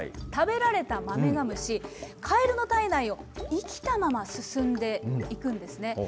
食べられたマメガムシ、カエルの体内を生きたまま進んで行くんですね。